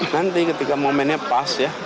nanti ketika momennya pas ya